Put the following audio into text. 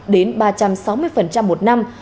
đến ba trăm sáu mươi một năm